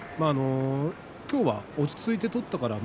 今日は落ち着いて取ったからね。